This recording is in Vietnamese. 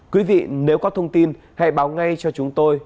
quý vị nếu có thông tin hãy báo ngay cho chúng tôi